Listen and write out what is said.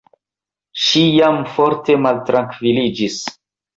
Ŝi jam forte maltrankviliĝis.